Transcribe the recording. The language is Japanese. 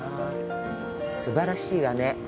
すばらしいわね。